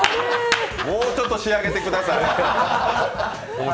もうちょっと仕上げてください。